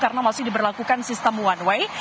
karena masih diberlakukan sistem one way